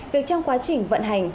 việc trong quá trình vận hành